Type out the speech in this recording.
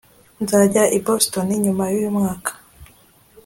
nzajya i boston nyuma yuyu mwaka